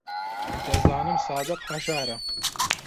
دەزانم سادق هەژارە.